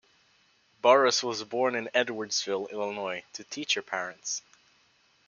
Burress was born in Edwardsville, Illinois, to teacher parents.